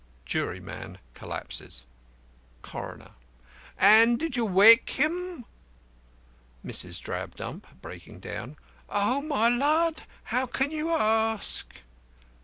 (Juryman collapses.) CORONER: And did you wake him? MRS. DRABDUMP (breaking down): Oh, my lud, how can you ask?